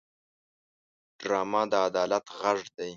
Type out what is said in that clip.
ډرامه د عدالت غږ دی